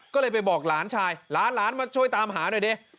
ก็เลยไปบอกล้านชายล้านมาช่วยตามหาด้วยดิ